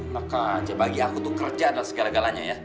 maka bagi aku tuh kerja dan segala galanya ya